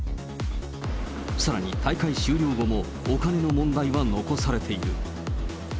さらに大会終了後も、お金の問題は残されている。